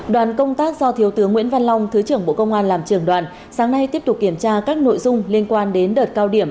đoàn công tác do thiếu tướng nguyễn văn long thứ trưởng bộ công an làm trưởng đoàn sáng nay tiếp tục kiểm tra các nội dung liên quan đến đợt cao điểm